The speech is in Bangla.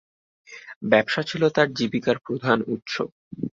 ব্যবসা ছিল তার জীবিকার প্রধান উৎস।